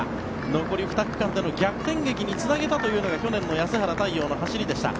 残り２区間での逆転劇につなげたというのが去年の安原太陽の走りでした。